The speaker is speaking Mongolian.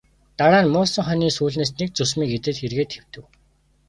Дараа нь муулсан хонины сүүлнээс нэг зүсмийг идээд эргээд хэвтэв.